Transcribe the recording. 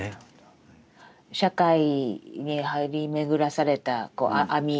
社会に張り巡らされた網。